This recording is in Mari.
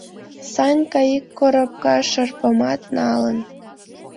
Санька ик коробка шырпымат налын.